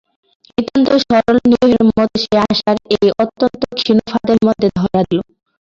নিতান্ত সরল নিরীহের মতো সে আশার এই অত্যন্ত ক্ষীণ ফাঁদের মধ্যে ধরা দিল।